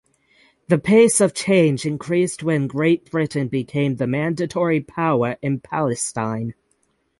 The pace of change increased when Great Britain became the Mandatory power in Palestine.